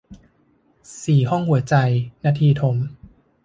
สี่ห้องหัวใจ - นทีทม